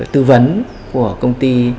tư vấn của công ty